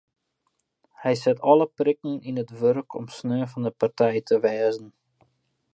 Hy set alle prikken yn it wurk om sneon fan de partij te wêze.